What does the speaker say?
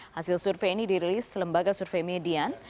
hasil survei ini dirilis lembaga survei median